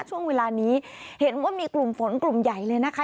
ช่วงเวลานี้เห็นว่ามีกลุ่มฝนกลุ่มใหญ่เลยนะคะ